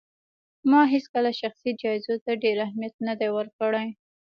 ما هيڅکله شخصي جايزو ته ډېر اهمیت نه دی ورکړی